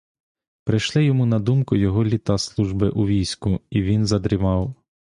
Прийшли йому на думку його літа служби у війську — і він задрімав.